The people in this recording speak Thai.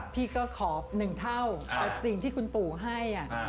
พี่ก็ขอ๑เท่ากับสิ่งที่คุณปู่ให้